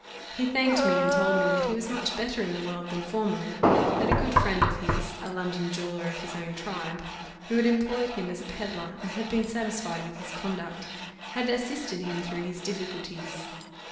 He thanked me, and told me that he was much better in the world than formerly; that a good friend of his, a London jeweller of his own tribe, who had employed him as a pedlar, and had been satisfied with his conduct, had assisted him through his difficulties.